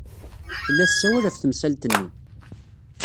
Tella tessawal ɣef temsalt-nni.